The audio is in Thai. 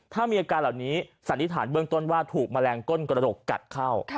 ถ้ามีอาการเหล่านี้สันนิษฐานเบื้องต้นว่าถูกแมลงก้นกระดกกัดเข้า